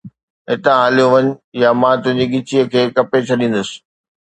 ھتان ھليو وڃ، يا مان تنھنجي ڳچيءَ کي ڪپي ڇڏيندس